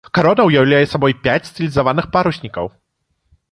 Карона ўяўляе сабой пяць стылізаваных паруснікаў.